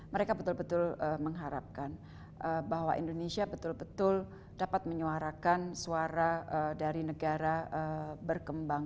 mereka betul betul mengharapkan bahwa indonesia betul betul dapat menyuarakan suara dari negara berkembang